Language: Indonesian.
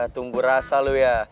tunggu rasa lo ya